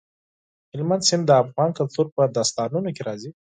هلمند سیند د افغان کلتور په داستانونو کې راځي.